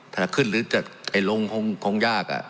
ถ้าขึ้นหรือจะลงคงยาก